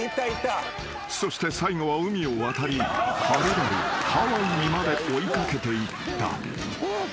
［そして最後は海を渡りはるばるハワイにまで追い掛けていった］